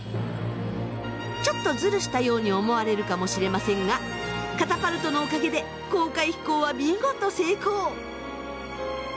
ちょっとズルしたように思われるかもしれませんがカタパルトのおかげで公開飛行は見事成功。